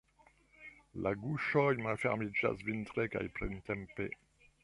La guŝoj malfermiĝas vintre kaj printempe.